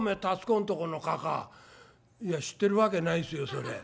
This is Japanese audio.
「いや知ってるわけないですよそれ。